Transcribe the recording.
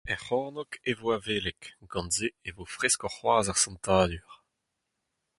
Er c’hornôg e vo avelek, gant se e vo freskoc’h c’hoazh ar santadur.